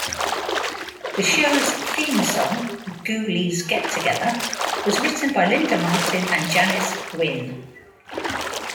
The show's theme song, "Goolies Get-Together", was written by Linda Martin and Janis Gwin.